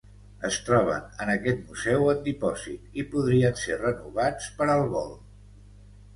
Es troben en aquest museu en dipòsit, i podrien ser renovats per al vol.